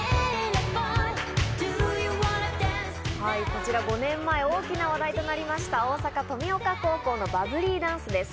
こちら５年前、大きな話題となりました大阪・登美丘高校のバブリーダンスです。